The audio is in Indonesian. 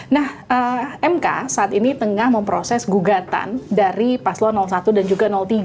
nah mk saat ini tengah memproses gugatan dari paslon satu dan juga tiga